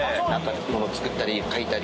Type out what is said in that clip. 物作ったりかいたり。